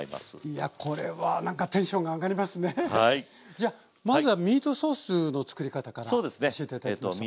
じゃあまずはミートソースの作り方から教えて頂きましょう。